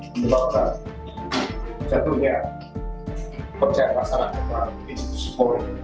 menyebabkan jadinya pecah masalah keberanian institusi polis